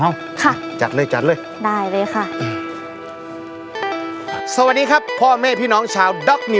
จัดเลยจัดเลยได้เลยค่ะสวัสดีครับพ่อแม่พี่น้องชาว